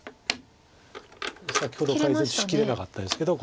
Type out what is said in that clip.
先ほど解説しきれなかったですけど。